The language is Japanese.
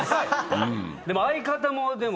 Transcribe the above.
でも相方もでも。